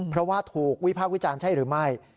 เพราะว่าถูกวิพากษ์วิจารณ์ใช่หรือไม่